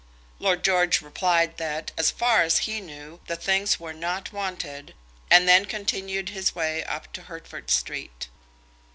Lord George replied that, as far as he knew, the things were not wanted, and then continued his way up to Hertford Street.